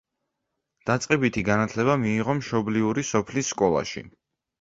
დაწყებითი განათლება მიიღო მშობლიური სოფლის სკოლაში.